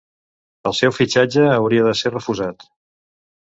El seu fitxatge hauria de ser refusat.